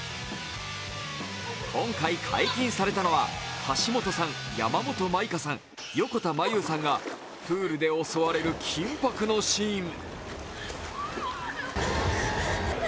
今回解禁されたのは、橋本さん、山本舞香さん、横田真悠さんがプールで襲われる緊迫のシーン。